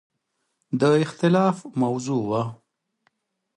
د اختلاف موضوع وه.